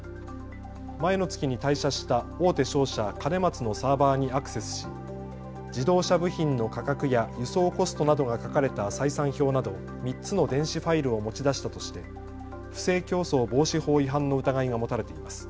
前の月に退社した大手商社、兼松のサーバーにアクセスし自動車部品の価格や輸送コストなどが書かれた採算表など３つの電子ファイルを持ち出したとして不正競争防止法違反の疑いが持たれています。